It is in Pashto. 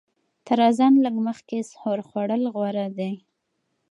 تر اذان لږ مخکې سحور خوړل غوره دي.